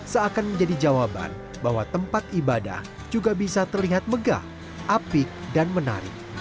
seakan menjadi jawaban bahwa tempat ibadah juga bisa terlihat megah apik dan menarik